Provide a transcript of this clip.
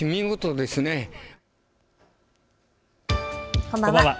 こんばんは。